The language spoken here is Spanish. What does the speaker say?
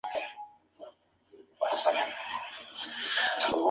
Su plumaje es poco vistoso.